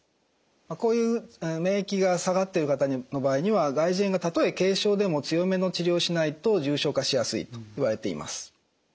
こういう免疫が下がっている方の場合には外耳炎がたとえ軽症でも強めの治療をしないと重症化しやすいといわれています。